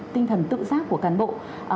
tinh thần tự giác của cán bộ